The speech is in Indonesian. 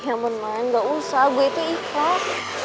ya aman main gak usah gue itu ikhlas